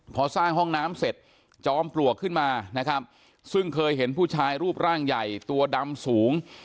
พอสร้างห้องน้ำเสร็จจอมปลวกขึ้นมานะครับซึ่งเคยเห็นผู้ชายรูปร่างใหญ่ตัวดำสูง